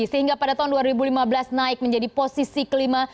sehingga pada tahun dua ribu lima belas naik menjadi posisi kelima